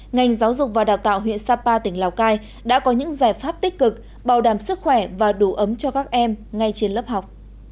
ngành giáo dục và đào tạo huyện sapa tỉnh lào cai đã có những giải pháp tích cực bảo đảm sức khỏe và đủ ấm cho các em ngay trên lớp học